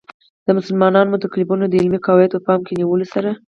د مسلمانو متکلمانو د علمي قواعدو په پام کې نیولو سره.